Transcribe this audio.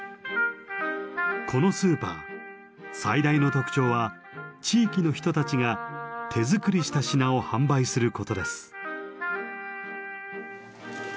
このスーパー最大の特徴は地域の人たちが手作りした品を販売することです。